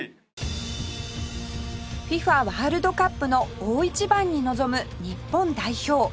ＦＩＦＡ ワールドカップの大一番に臨む日本代表